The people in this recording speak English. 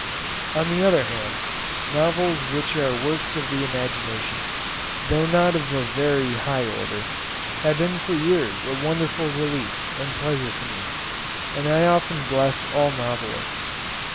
On the other hand, novels which are works of the imagination, though not of a very high order, have been for years a wonderful relief and pleasure to me, and I often bless all novelists.